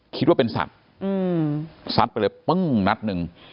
คิดว่าเป็นสัตว์ซัดไปเลยปึ้งนัดหนึ่ง